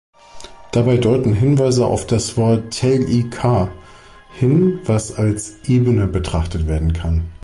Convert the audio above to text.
Dabei deuten Hinweise auf das Wort "Tel-i-quah" hin, was als "Ebene" betrachtet werden kann.